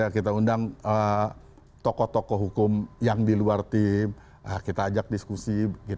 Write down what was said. kita undang tokoh tokoh hukum yang di luar tim kita ajak diskusi